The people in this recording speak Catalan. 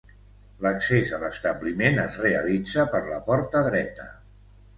L'accés a l'establiment es realitza per la porta dreta.